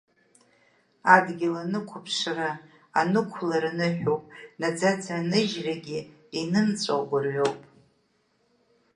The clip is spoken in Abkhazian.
Адгьыл анықәыԥшра, анықәлара ныҳәоуп, наӡаӡа аныжьрагь инымҵәо гәрҩоуп…